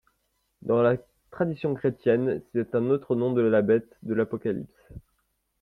Dans la tradition chrétienne, c'est un autre nom de la Bête de l'Apocalypse.